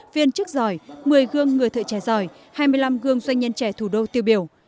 viên chức giỏi một mươi gương người thợ trẻ giỏi hai mươi năm gương doanh nhân trẻ thủ đô tiêu biểu